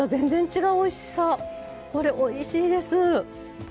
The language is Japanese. これおいしいです。